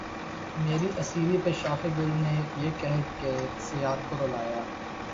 مری اسیری پہ شاخِ گل نے یہ کہہ کے صیاد کو رلایا